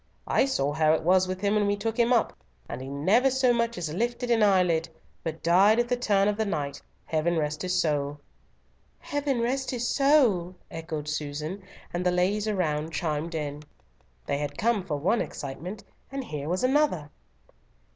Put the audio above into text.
I saw how it was with him when we took him up, and he never so much as lifted an eyelid, but died at the turn of the night. Heaven rest his soul!' "Heaven rest his soul!" echoed Susan, and the ladies around chimed in. They had come for one excitement, and here was another.